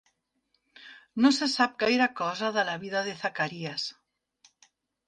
No se sap gaire cosa de la vida de Zacaries.